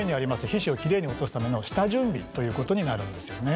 皮脂をきれいに落とすための下準備ということになるんですよね。